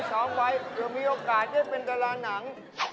สอบไวเดี๋ยวมีโอกาสได้เป็นดารานัง